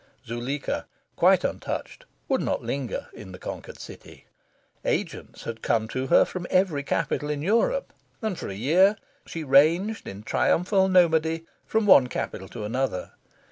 Zuleika, quite untouched, would not linger in the conquered city. Agents had come to her from every capital in Europe, and, for a year, she ranged, in triumphal nomady, from one capital to another.